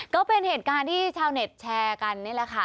ก็เป็นเหตุการณ์ที่ชาวเน็ตแชร์กันนี่แหละค่ะ